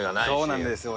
そうなんですよ。